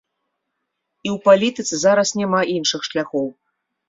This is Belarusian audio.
І ў палітыцы зараз няма іншых шляхоў.